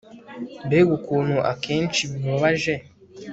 mbega ukuntu akenshi bibabaje